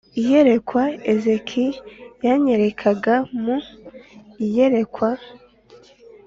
Iyerekwa ezk yanyerekaga mu iyerekwa